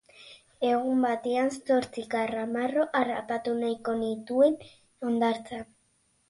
Bere anaia zen Anton txirrindulari profesionala ere bazen.